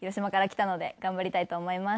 頑張りたいと思います。